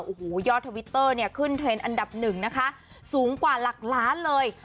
โอ้โหยอดทวิตเตอร์เนี่ยขึ้นเทรนด์อันดับหนึ่งนะคะสูงกว่าหลักล้านเลย